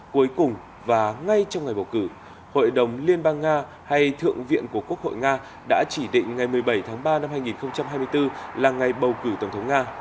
cuối cùng và ngay trong ngày bầu cử hội đồng liên bang nga hay thượng viện của quốc hội nga đã chỉ định ngày một mươi bảy tháng ba năm hai nghìn hai mươi bốn là ngày bầu cử tổng thống nga